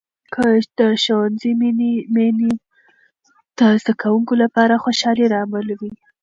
د ښوونځي مینې د زده کوونکو لپاره خوشحالي راملوي.